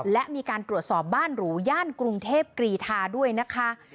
และมีการตรวจสอบบ้านหรูย่านกรุงเทพกรีธาด้วยนะคะ